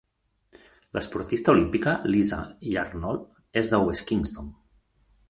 L'esportista olímpica Lizzy Yarnold és de West Kingsdown.